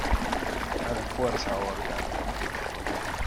A la fuerza ahorcan